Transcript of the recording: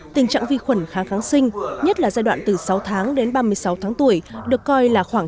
tình trạng vi khuẩn kháng kháng sinh nhất là giai đoạn từ sáu tháng đến ba mươi sáu tháng tuổi được coi là khoảng